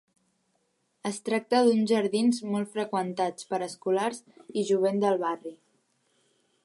Es tracta d'uns jardins molt freqüentats per escolars i jovent del barri.